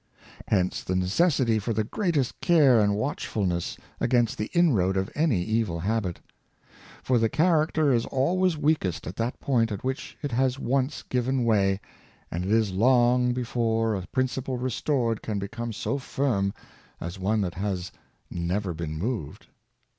Hence the necessity for the greatest care and watchfulness against the inroad of any evil habit ; for the character is always weakest at that point at which it has once given way, and it is long before a principle restored can become so firm as one that has never been moved.